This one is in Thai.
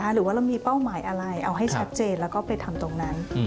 หรือว่าเรามีเป้าหมายอะไรเอาให้ชัดเจนแล้วก็ไปทำตรงนั้น